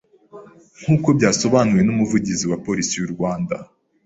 Nk’uko byasobanuwe n’Umuvugizi wa Polisi y’u Rwanda,